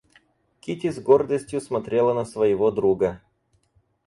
Кити с гордостью смотрела на своего друга.